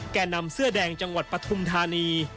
แก่นำเสื้อแดงจังหวัดปฐุมธานี